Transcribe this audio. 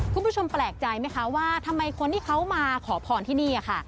คุณผู้ชมแปลกใจไหมคะว่าทำไมคนที่เขามาขอพรที่นี่ค่ะ